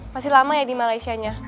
masih lama ya di malaysianya